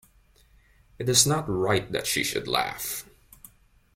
It is not right that she should laugh!